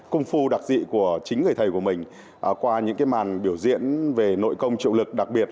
cung phu đặc dị của chính người thầy của mình qua những cái màn biểu diễn về nội công triệu lực đặc biệt